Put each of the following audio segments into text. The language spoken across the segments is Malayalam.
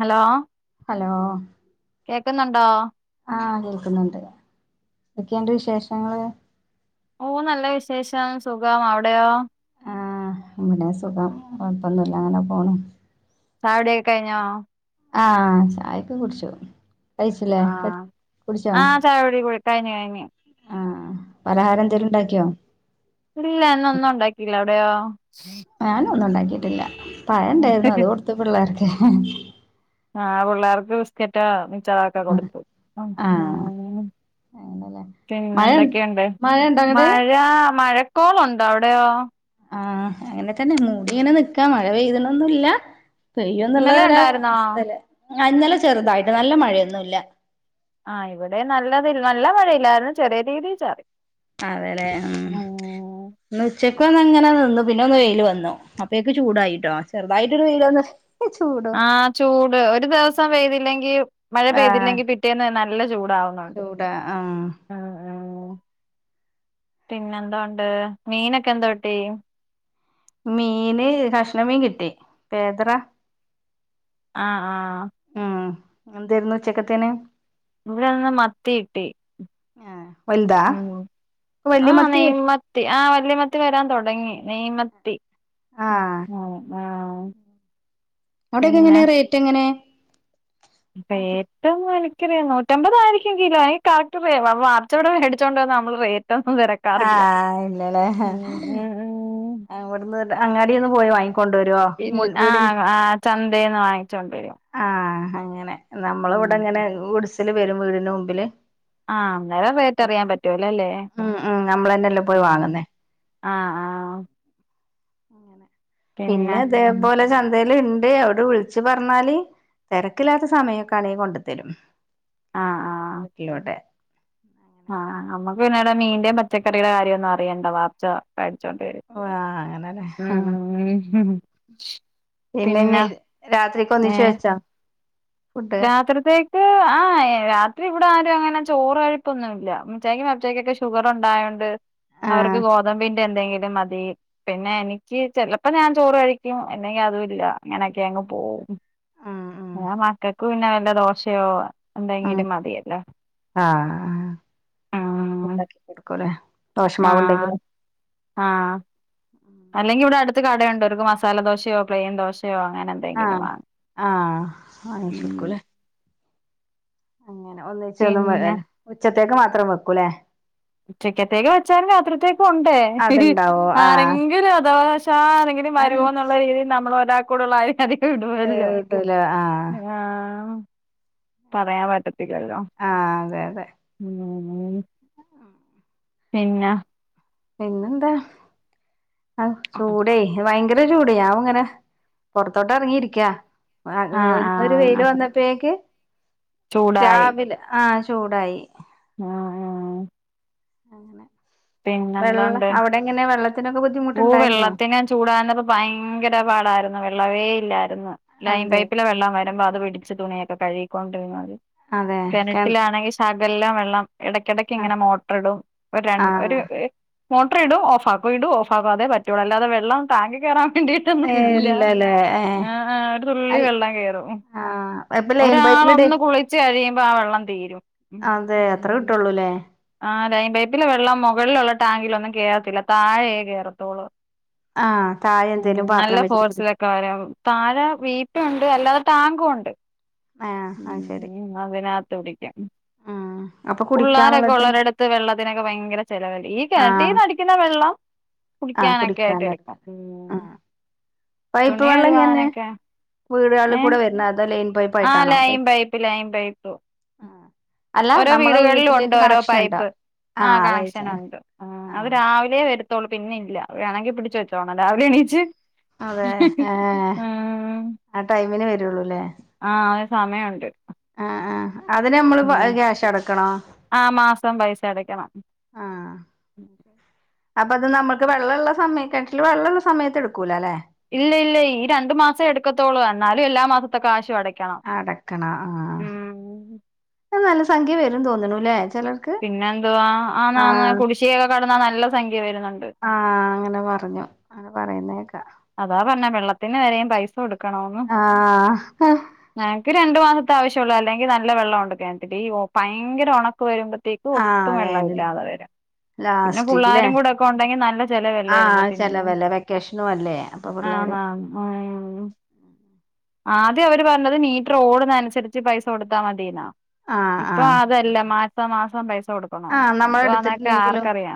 ഹലോ ഹലോ കേക്കുന്നുണ്ടോ? ആ കേക്കുന്നുണ്ട് എന്തെക്കെണ്ട് വിശേഷങ്ങള്? ഓ നല്ല വിശേഷം സുഖാമവിടെയോ? ആ ഒന്നൂല്ല സുഖം കുഴപ്പമൊന്നുല്ല അങ്ങനെ പോണ് ഛായൊടിക്കെ കഴിഞ്ഞോ? ആ ഛായൊക്കെ കുടിച്ചു കഴിച്ചില്ലേ കട് ആഹ് കുടിച്ചോ? ആ ചായകുടി കുടി കഴിഞ്ഞു കഴിഞ്ഞു ആ പലഹാരം എന്തേലും ഉം ഉണ്ടാക്കിയോ? ഇല്ല എന്നൊന്നും ഉണ്ടാക്കിയില്ല അവിടെയോ? ഞാനും ഒന്നും ഉണ്ടാക്കിട്ടില്ല പഴം ഉണ്ടായിരുന്നു അത് കൊടുത്തു പിള്ളേർക്ക്. ആഹ പിള്ളേർക്ക് ബിസ്‌ക്കറ്റോമിച്ച റോ കൊടുത്തു. ആഹ് അങ്ങനല്ലേ മഴ പിന്നെന്തൊക്കെയുണ്ട് മഴയുണ്ടോ അങ്ങട് മഴ മഴക്കോളുണ്ടോ അവിടെയോ ആഹ അങ്ങനെ തന്നെ മൂടി ഇങ്ങനെ നിക്കാ മഴ പെയ്തണൊന്നുംല്ലാ പെയ്യുന്നുള്ള ഇന്നലെ ഉണ്ടായിരുന്നോ ഒരവസ്ഥലെ ഇന്നലെ ചെറുതായിട്ട് നല്ല മഴയൊന്നുല്ല ആഹ ഇവിടെ നല്ലതി നല്ല മഴയില്ലായിരുന്നു ചെറിയ രീതിൽ ചാറി അതെല്ലെ ഉം ഉന്ന് ഉച്ചക്ക ഒന്ന് അങ്ങനെ നിന്നു പിന്നെ ഒന്ന് വെയില് വന്നു അപ്പൊക്കെ ചൂടായിട്ടോ ചെറുതായിട്ടൊരു വെയ്ലൊന്ന് ആഹ് ചൂട് ഒരു ദിവസം പെയ്തില്ലെങ്കി മഴ ആഹ് പെയ്തില്ലെങ്കി പിറ്റേന്ന് നല്ല ചൂടാവുന്ന ചൂടാ ആഹ് ആഹ് ആഹ് പിന്നെന്തോ ഒണ്ട് മീനൊക്കെ എന്തോട്ടീ മീന് കഷ്ണ മീൻ കിട്ടി പേദറ ആഹ് ആഹ് ഉം എന്തായിരുന്നു ഉച്ചക്കത്തേന് ഇവിടെന്ന് മത്തിയിട്ടി ആഹ് വലുതാ വല്യ ആഹ് മത്തി നെയ് മ ത്തി ആഹ് വല്ല്യ മത്തി വരാൻ തുടങ്ങി നെയ്മത്തി ആഹ് ഉം ആഹ് അവിടൊക്കെ പിന്നെ എങ്ങനെയാ റേറ്റ് എങ്ങനെ മത്തി [unintelligible] ന്ന് എനിക്കറിയ നൂറ്റമ്പതായിരിക്കും കിലോ അ കറക്റ്റ് റിയ വ വ അച്ചവടെ മേടിച്ചോണ്ടെ വന്ന നമ്മള് റേറ്റൊന്നും തെര ക്കാറില്ല ആഹ് ഉം ഉം ഉം അവിടുന്ന് അങ്ങാടീന്ന് പോയി വാങ്ങി കൊണ്ടുവര്വോ ആഹ് ആഹ് ചന്തേന്ന് വാങ്ങിച്ചോണ്ട് വരും ആഹ് അങ്ങനെ നമ്മള ഇവടെ ഉം അങ്ങനെ ഗുഡ്‌സില് വരും വീടിന് മുമ്പില് ആഹ് അന്നേരം അപ്പം റേറ്റ് അറിയാൻ പിന്നെ പറ്റുവലല്ലേ ഉം ഉം നമ്മളന്നെല്ലേ പോയി വാങ്ങുന്നേ ആഹ് ആഹ് അങ്ങനെ പിന്നെ ഇതേപോലെ ചന്തലിണ്ട് അവ് വിളിച്ച് പറഞ്ഞാല് തിരക്കില്ലാത്ത സമയൊക്കെ ആണെങ്കിൽ കൊണ്ടു തരും ആഹ് ആഹ് ക്കിലോടെ ആഹ് നമ്മുക്ക് പിന്നീട് മീന്റെയും പച്ചക്കറീടെ കാര്യൊന്നും അറിയണ്ട [unintelligible] വേട്ചോണ്ടി വരും ഓഹ് അങ്ങനെ ഉം പിന്നെഞ്ഞ് പിന്നെ രാത്രിക്ക് ഒന്നിച്ച് വെച്ചാ രാത്രിത്തെ [inaudible] രാത്രി ഇവിടെ ആരും അങ്ങനെ ചോറ് കഴിപ്പൊന്നുല്ല [unintelligible] മച്ചയ്ക്കൊക്കെ ഷുഗർ ഒണ്ടായോണ്ട് ആ അവർക്ക് ഗോതമ്പിൻ്റെ എന്തെങ്കിലും മതി പിന്നെ എനിക്ക് ചെലപ്പോ ഞാൻ ചോറ് കഴിക്കും അല്ലെങ്കിൽ അതു ഇല്ല അങ്ങനെയൊക്കങ്ങ് പോവും ഉം ഉം ആഹ് മക്കൾക്ക് പിന്നെ വല്ല ദോശയോ എന്തെങ്കിലും മതിയല്ലോ ആഹ് ആഹ് ഉണ്ടാക്കി കൊടുക്കൂലെ ആഹ് ദോശമാവണ്ടെങ്കിലിൽ ആഹ് അല്ലെങ്കിവിടെ അടുത്ത് കടയുണ്ട് അവർക്ക് മസാലദോശയോ പ്ലെയിൻ ദോശയോ അങ്ങനെ എന്തെങ്കിലും ആഹ് വാങ്ങും ആഹ് ഉം വാങ്ങിച്ചോടുക്കൂല അങ്ങനെ ഒന്നിച്ച ഒന്നും പിന്നെ ഉച്ചത്തേക്ക് മാത്രം വെക്കൂലേ ഉച്ചിക്കത്തേക്ക് വെച്ചാലും രാത്രിത്തേക്കും ഉണ്ടേ അതുണ്ടാവോ ആ ആരെങ്കിലും അഥവാശ ആരെ വരുവോന്നുള്ള രീതിയിൽ നമ്മൾ ഒരാൾക്കൂടുള്ളരും അധികം ഇടുവല്ലോ കിട്ടൂല ആഹ് ആഹ് പറയാൻ പറ്റത്തില്ലല്ലോ ആഹ് അതെ അതെ [unintelligible] [unintelligible] പിന്നെ പിന്നെന്താ ആഹ് ചൂടേ ഭയങ്കര ചൂടേ ഞാൻ ഇങ്ങനെ പൊർത്തോട്ട് എറങ്ങിയിരിക്കാ ആഹ് ഒരു വെയില് വന്നപ്പോഴേക്ക് ചൂടായി രാവിലെ ആഹ് ചൂടായി ആഹ് ആഹ് വെള്ള അവിടെ എങ്ങനെ വെള്ളത്തിനൊക്കെ ബുദ്ധി ഓഹ് വെള്ളത്തിന് ചൂടാനത് ഭയങ്കരം പാടായിരുന്നു വെള്ളവേ ഇല്ലായിരുന്നു ലൈൻ അതെ പൈപ്പിലെവെള്ളം വരുമ്പോ അത് പിടിച്ച് തുണിയൊക്കെ കഴുകിക്കൊണ്ടിരിന്നാത് അതെ കെണ കെണറ്റിലാണെങ്കിൽ ശ് സകല്ലം വെള്ളം ഇടക്കിടക്ക് ആഹ് ഇങ്ങനെ മോട്ടർ ഇടും ഒരു രൺ ആഹ് ഒരു മോട്ടർ ഇടും ഓഫാക്കും ഇടും ഓഫാക്കും അതേ പറ്റുള്ളൂ അല്ലാതെ വെള്ളം ടാങ്കിക്ക് കേറാൻ വേണ്ടിട്ട് അതു ഒന്നും ഏഹ് ഇല്ല ഇല്ലല്ലേ ഏഹ് എ ആ ഒരു തുള്ളി അൽ വെള്ളം കേറും ആഹ് ഇപ്പൊ ലൈൻ പൈപ്പിലിടെ ഒരാളൊന്ന് കുളിച്ച് കഴിയുമ്പോ ആ വെള്ളം തീരും അതെ അത്ര ഉം കിട്ടുള്ളൂല്ലേ ആ ലൈൻ പൈപ്പിലെ വെള്ളം മുകളിലുള്ള ടാങ്കിലൊന്നും കേറത്തില്ല താഴേ കേറത്തൊള്ളൂ ആഹ് താഴെ എന്തേലും പാത്രം വെച്ചിട്ട് പിടി ക്കാരം താഴെ വീപ്പുണ്ട് അല്ലാതെ ടാങ്കും ഉണ്ട് ആഹ് അത് ശരി ഉം ആതിനകത്ത് പിടിക്കാം ആഹ് അപ്പൊ കുടിക്കാൻ വെള്ളത്തിനൊ ഇപ്പത്തെ വെള്ളത്തിനൊക്കെ ഭയങ്കര ചെലവല്ലെ ഈ ആഹ് കെനറ്റീന്നടിക്കുന്ന വെള്ളം ആഹ് കുളിക്കാനൊക്കായിട്ട് കുടിക്കാന് എടുക്ക എടുക്കും ഉം ആഹ് പൈപ്പ് തുണി വെള്ളം എങ്ങനെ കഴുവാനൊക്കെ വീടാള് ഏഹ് കൂടെ വരുന്ന അതോ ലൈൻ പൈപ്പ് ആഹ് ലൈൻ പൈപ്പ് ലൈൻ പൈപ്പ് ആഹ് അല്ല ഓരോ നമ്മളെ വീടുകളിലും ഉണ്ട് വീട്ടിലേക്ക് ഓരോ കണക്ഷൻ ഉണ്ടോ പൈപ്പ് ആഹ് കണക്ഷനുണ്ട് അത് ആഹ് രാവിലെ വരു ത്തൊള്ളൂ പിന്നെ ഇല്ല വേണെങ്കി പിടിച്ച് വെച്ചോണം രാവിലെ എണീച്ച് അതേ ഏഹ് ഉം ആ ടൈമിന് വരുള്ളൂല്ലേ ആഹ് ഒരു സമയം ഉണ്ട് ആഹ് ആഹ് അതിന് നമ്മള് ഉം ക്യാഷ് അടക്കണോ ആ മാസം പൈസ അടക്കണം ആഹ് അപ്പൊ അത് നമ്മക്ക് വെള്ളള്ള സമയം കെണറ്റില് വെള്ളള്ള സമയത്ത് എടുക്കൂലാലേ ഇല്ല ഇല്ല ഈ രണ്ടു മാസം എടുക്കത്തോള്ളൂ എന്നാലും എല്ലാ മാസത്തെ കാശ് അടക്കും അടക്കണാ ആഹ് ആഹ് ഇത് നല്ല സംഖ്യ വരും തോന്ന്ണൂല്ലേ ചിലർ പിന്നെ എന്തുവാ ആ ന്നാന്ന് കുടിഷികൊക്കെ കടന്നാ നല്ല സംഖ്യ വരുന്നുണ്ട് ആഹ് അങ്ങനെ പറഞ്ഞു അങ്ങനെ പറയുന്നേക്കാ അതാ പർഞ്ഞത് വെള്ളത്തിന് വരേം പൈസ കൊടു ആഹ് ഞങ്ങക്ക് രണ്ടു മാസത്തെ ആവശ്യള്ളൂ അല്ലെങ്കിൽ നല്ല വെള്ളം ഒണ്ട് കെണറ്റില് ഈ പയങ്കര ഒണക്ക വരുമ്പ ത്തേക്ക് ഒട്ടും ആഹ് വേനല് വെള്ളമില്ലാതെ വരും പിന്നെ ലാസ്റ്റിക്കിലേ പുള്ളാരും കൂടെ ഒക്കെ ഉണ്ടെങ്കി നല്ല ചെലവല്ലേ ആഹ് വെള്ളത്തിനും ചെലവല്ലേ വെക്കേഷനും അല്ലേ അപ്പൊ പിള്ളേര് ആന്ന് ആന്ന് ഉം ആദ്യം അവര് പർഞ്ഞത് മീറ്റർ ഓടുന്ന അനുസരിച്ച് പൈസ കൊടുത്താ മതീന്നാ ആഹ് ഇപ്പൊ ആഹ് അതല്ല മാസം മാസം പൈസ കൊടുക്കണം ആഹ് എന്തുവാന്നക്കെ നമ്മളെടുത്തിട്ടില്ലെങ്കിലും ആർക്കറിയാം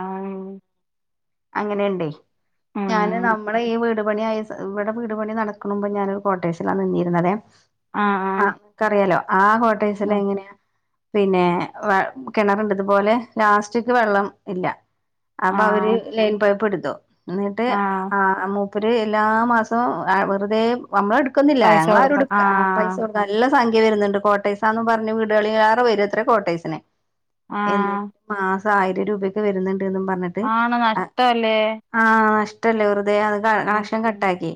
അങ്ങനെയുണ്ടേ ആഹ് ഞാന് ന ഉം മ്മളെ ഈ വീട് പണിയായ സ ഇവിടെ വീട്പണി നടക്കുമ്പോൾ ഞാനൊരു കോട്ടേഴ്സിലാണ് നിന്നിരുന്നത് ആഹ് അ ആഹ് ക്കറിയാലോ ആ കോട്ടേഴ്സില് എങ്ങനെയാ പിന്നെ വ കിണറണ്ട്തുപോലെ ലാസ്റ്റ്ക്ക് വെള്ളം ഇല്ല അപ്പൊ അവര് ആഹ് ലെയ്ൻ പൈപെടുത്തു ന്നിട്ട് ആഹ് ആ മൂപ്പര് എല്ലാ മാസവും ആ വെറുതേ വന്നോ ഇടുക്കൊന്നില്ല പൈസ ഞങ്ങ കൊടുക്കണം ളാരുംടുക്ക പൈസ ആഹ് കൊ.. നല്ല സംഖ്യ വരുന്നുണ്ട്. കോട്ടൈസാന്ന് പറഞ് വീടുകളി ലെറെ വരുംത്രേ കോട്ടൈസിനെ എന്നി ആഹ് മാസം ആയിരം രൂപയക്കെ വരുന്നുണ്ട്ന്ന് പറഞ്ഞ ആണ നഷ്ടല്ലേ ആഹ നഷ്ടല്ലേ വെറുതെ അത് കണക്ഷൻ കട്ട ആക്കി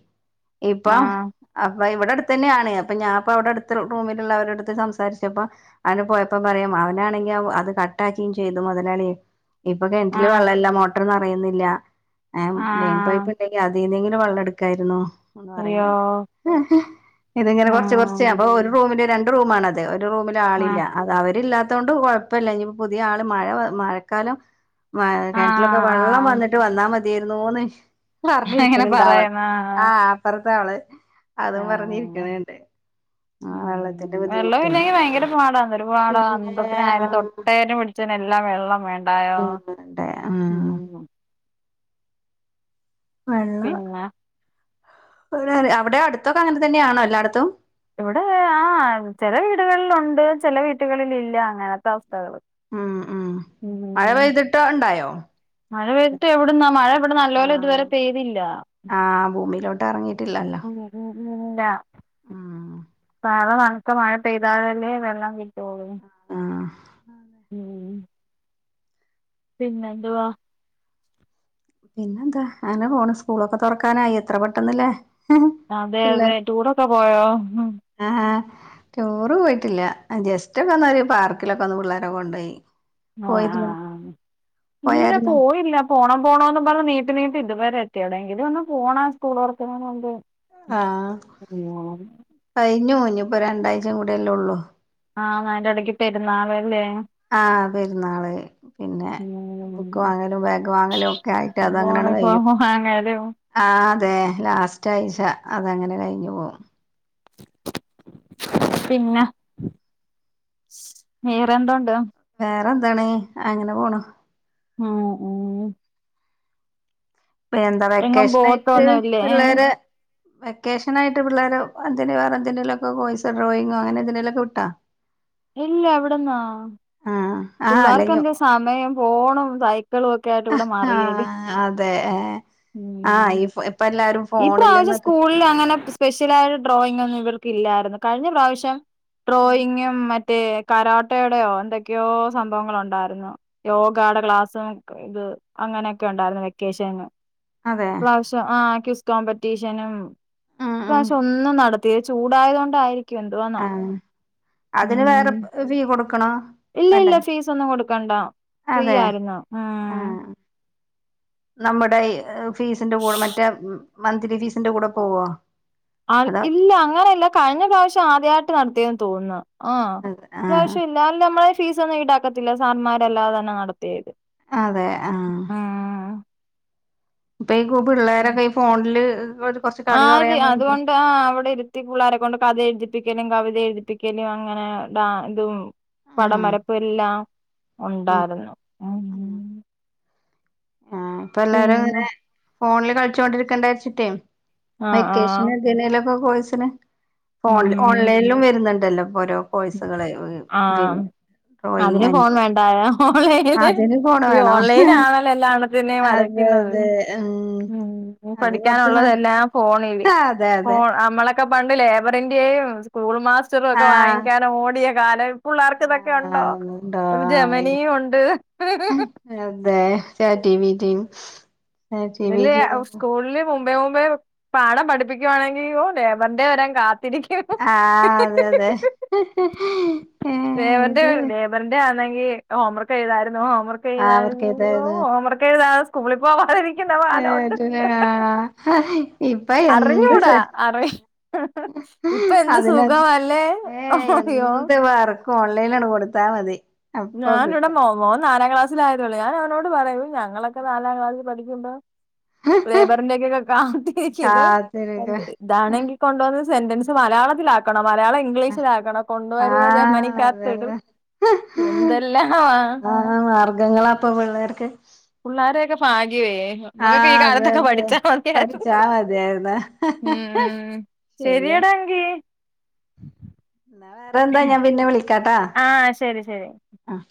ആഹ് ഇപ്പം ആഹ് അപ്പൊ ഇവിടെ അടുത്ത ന്നെണ് അപ്പൊ ഞാൻപ്പ അവിടെ അടുത്ത് റൂമിലുള്ള അവരടുത്ത് സംസാരിച്ചപ്പ അവനെ പോയപ്പോ പറയാം അവനാണെങ്കി അത് കട്ട ആാക്കിയും ചെയ്തു മുതലളി ഇപ്പ കെണറ്റില് വെള്ളല്ല. മോട്ടർന്ന് അറിയുന്നില്ല ലൈൻ ആഹ് പൈപ്പ് അ അതെന്നെങ്കില വെള്ളെ ടുക്കായിന്നോ അയ്യോ പറയുന്നുണ്ട് ഇതിങ്ങനെ കൊറച്ച് കൊറച്ച് ഉം അപ്പൊ ഒരു റൂമിന്റെ രണ്ട് റൂമാണത്. അതെ ഒരു റൂമിലാളില്ല. ആഹ് അത് അവരില്ലാത്ത കൊണ്ട് കുഴപ്പില്ല ഇനി പുതിയ ആള് മഴ മഴക്കാലം ആഹ് ട്ട് വന്നാ മതിയായിരുന്നുന്ന് അങ്ങനെ പറഞ്ഞിരിക്കണണ്ട അവൾ പറയുന്നു ആഹ് അപ്പുറത്തെ അവള് അതും പറഞ്ഞിരിക്കണണ്ട് വെള്ളം ഇല്ലെങ്കി ഭയങ്കര പാടാ ഒരുപാടാ പിന്നെ അന്ധത്തിന് ആയിരം തൊട്ടായിരം പി അച്ഛന എല്ലാം വെള്ളം വേണ്ടായോ ആണ്ട് ആഹ് ഉ വെള്ള പിന്നെ അവിടെ അടുത്തൊക്കെ അങ്ങനെ തന്നെയാണോ എല്ലായിടത്തും. ഇവിടെ ആ ചെല വീടുകളിലുണ്ട്. ചെല വീട്ടുകളിൽ ഇല്ല അങ്ങനത്തെ അവസ്ഥകൾ ഉം ഉം മഴ പെയ്തിട്ട് ഉണ്ടായോ മഴ പെയ്തിട്ട് എവിടുന്നാ മഴ ഇവിടെ നല്ലലെ ആഹ് ഇതുവരെ പെയ്തില്ല ആഹ് ഭൂമിയിലോട്ട് ഇറങ്ങിയിട്ടില്ലല്ലേ [unintelligible] ഇല്ല ആ നളെ നനത്ത മഴ പെയ്താലല്ലേ വെള്ളം കിട്ടോള്ളൂ ആഹ് ഉ പിന്നെന്തുവാ പിന്നെന്താ അങ്ങനെ പോണ് സ്കൂളൊക്കെ തൊറക്കാനായി എത്ര പെട്ടന്നല്ലേ അതെ അതെ ടൂറൊക്കെ പോയോ ആഹ ആഹ ടൂർ പോയിട്ടില്ല. ജസ്റ്റ് ഒക്കെ ഒന്നരു പാർക്കിലൊക്കെ ഒന്ന് പിള്ളേരെ കൊണ്ടോയി ആഹ പോയിരുന്നു പിന്ന പോയായിരുന്നോ പോയില്ല പോണം പോണോന്ന് പറഞ്ഞ നീട്ട് നീട്ട് ഇതുവരെ എത്തി അവിടെ എങ്കും ഒന്ന് പോണ സ്കൂൾ തോർക്കാണെന്റെ മുൻപ് ആഹ കഴിഞ്ഞു മഞ്ഞു ഇപ്പൊ രണ്ടാഴ്ചയും കൂടെയല്ലേ ഉള്ളൂ ആഹ് അയിന്റെടക് പെരുന്നാളെല്ലേ ആഹ് പെരുന്നാള് പിന്നെ.. ഉം ബുക്ക് വാങ്ങലും ബാഗ് വാങ്ങലും ഒക്കെ ആയിട്ട് അത അങ്ങനെയാണ് കയിയും [unintelligible] ആ അതെ ലാസ്റ്റ് ആഴ്ച അതങ്ങനെ കഴിഞ്ഞു പോകവും പിന്നെ വെറെന്തണ്ട് വേറെന്താണ് അങ്ങനെ പോണു ഉം ഉം എന്താ എങ്ങും വെക്കേഷനായിട്ട് പോവത്തൊന്നുല്ലേ പിള്ളേരെ.. വെക്കേഷനായിട്ട് പിള്ളേരെ അതിനു എന്ലൊക്കെ പോയിസ ഡ്രോയിങ്ങോ അങ്ങനെ എന്െേലുംക്കെ വി ട്ടാ [inaudible] ഇല്ല എവിടന്നാ. ആഹ് അല്ലെഞ്ഞു പിള്ളേർക്കെന്ത സമയം ഫോണും സൈക്കിളും ഒക്കെ ഇവിടെ ആഹ മറിയല് അതെ ആഹ ഉം ഇപ്പ എല്ലാരും ഈ ഫോണിൽ പ്ര്രാവശ്യം നിന്നൊക്കെ സ്കൂളിൽ അങ്ങനെ സ്പെഷ്യൽായിട്ട് ഡ്രോയിങ് ഒന്നും ഇവർക്ക് ഇല്ലായിരുന്നു കഴിഞ്ഞ പ്രാവശ്യം ഉം ഡ്രോയിങ്ങും മറ്റ മറ്റേ കരോട്ടയുടെയോ എന്തൊക്കെയോ സംഭവങ്ങള ഉണ്ടായിരുന്നു യോഗയുടെ ക്ലാസ്സും ഇത് അങ്ങനെയൊക്കെണ്ടാര്ന്നു വെക്കേഷന് അതെ പ്രാവശ്യംആഹ്ക്യൂസ് ആഹ് ആഹ് കോമ്പറ്റീഷനുംപ്രാവശ്യംഒന്നുംനട ത്തിയ ചൂടായതൊണ്ടായിരി ആഹ് അതിന് വേറെ ഫീ കൊടുക്കണോ ഇല്ലല്ല വേണ്ടേ ഫീസൊന്നും കൊടുക്കണ്ട ഫ്രീ അതെ ആയിരുന്നു ആഹ് നമ്മുടെ ബഫീസിന്റെ കൂടെ മറ്റേ മന്ത്ലി ഫീസിന്റെ കൂടെ പോവോ ആഹ് അതോ ഇല്ല അങ്ങനെയില്ല കഴിഞ്ഞ പ്രാവശ്യംആദ്യയിട്ട് നടത്തിയെന്ന് തോന്നുന്നു ആഹ് ആഹ് ഇപ്രാവിശ് ഇല്ലല്ല നമ്മളെ ഫീസൊന്നും ഈടാക്കത്തില്ല സാർന്മാർ അല്ലാതെ തന്നെ നടത്തിയത് അതെ ആഹ് ഇപ്പ ഈ ഉം പിള്ളോരൊക്കെ ഈ ഫോണില് കളി ആര് കൊറയാൻ വേണ്ടി അതുകൊണ്ടാ ആഹ് അവിടെ ത്തി പിള്ളേരെ കൊണ്ട് കഥ എഴുതിപ്പിക്കലും കവിത എഴുതിപ്പിക്കലും അങ്ങനെ ഡാ ഇതും ആഹ് പടം വരപ്പെല്ലാം ഒണ്ടാര്ന്നു അങ്ങനെ ആഹ് പിന്നെ ഇപ്പെല്ലാരുങ്ങനെ ഫോണില് കളിച്ചോണ്ടിരിക്കണ്ടാച്ചിട്ടേ ആഹ് ആഹ് വെക്കേഷന് എന്തിന്റെലൊക്കെ കോഴസിന് ഫോൺല് ഉം ഓൺലൈനും വരുന്നുണ്ടല്ലോ ഓരോ കോഴ്സുകള് ആഹ് പിന്നെ ഡ്രോയിങ് അതിന് ഫോൺ വേണ്ട ഓൺലൈന് അതിന് ഫോണ് ഈ ഓൺലൈന് വേണം ആണല്ലോ എല്ലാ പിന്നെ അതെ വരയ്ക്കുന്നത് അതെ ഉം ഉം അത് കൊറച്ച് സം പഠിക്കാനുള്ളതെല്ലാം ഫോണില് അതെ അതെ ഫോൺ നമ്മളൊക്കെ പണ്ട് ലേബറിന്റെയും സ്കൂൾ മാസ്റ്ററോക്കെ ആഹ് വാങ്ങിക്കാൻ ഓടിയ കാലം പുള്ളേർക്ക് ഇതൊക്കെണ്ടോ ആഹ് ഉണ്ടോ ഒരു ആ, ജെമനിയുണ്ട് അതെ ചാറ്റ് ജി ബി ട്ടിം ഇതില് [unintelligible] സ്കൂളില് മുമ്പെ മുമ്പേ പാഠം പഠിപ്പിക്കുവാണെങ്കി ഒ ലേബറിന്ത്യ വരാൻ കാത്തിരിക്കും ആഹ് അതെതെ ഇത് ഇവറിന്റയാന്നെങ്കി ഹോംവർക്ക് എഴ്താര്ന്നു ഹോം വർ ആ, അവർക്ക് ക്കൈതായിരുന്നു ഓ ഏതായിരുന്നു ഹോംവർക്കേഴുതാതെ സ്കൂളിൽ പോവാതിരി [unintelligible] ഇപ്പഎന്ത് ചെ അറിഞ്ഞൂടാ അറി ഇപ്പൊ എന്ത് അതിനെ സുഖമല്ലേ ഏഹ് എന്ത് അയ്യോ ന്ത് വർക്കും ഓൺലൈനാണ്ട് കൊടുത്താമതി ഞാന് ഇവിടെ മോ മോൻ നാലാം ക്ലാസിലായതോള്ളേ ഞാൻ അവനോട് പറയും ഞങ്ങളൊക്കെ നാലാക്ലാസ്സിൽ പഠിക്കുമ്പോ ലേബറിന്ത്യക്കൊക്കെ ക്കാത്തിരിക്കു ഇത് കാത്തിരിക്ക ഇതാണെങ്കി കൊണ്ടു വന്ന് സെന്റൻസ് മലയാളത്തിലാക്കണം മലയാളം ഇംഗ്ലീഷിലാക്കണം കൊണ്ട് വരുവ ആഹ് അതെ ജമനിക്കാത്തിടും അതെ എന്തെല്ലാമാ ആഹ് മാർഗങ്ങളപ്പപിള്ളേർക്ക് പുള്ളോരൊക്കെ ഭാഗ്യവേ നമ്മക്കൊക്കെ ഈ ആഹ് അതെ കാലത്തൊക്കെ അതെ പഠിച്ചാ പഠിച്ചാ മതിയായിര്ന്നു മതിയായിരുന്ന് ഉം ശരിയാ ശെരിയടാങ്കി ഇന്നാ വേറെന്താ ഞാൻ പിന്നെ വിളിക്കാട്ടാ ആഹ് ശരി ശരി ആഹ്